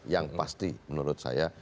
yang pasti menurut saya